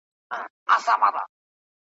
د کراري مو شېبې نه دي لیدلي .